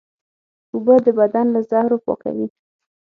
اوبه د بدن له زهرو پاکوي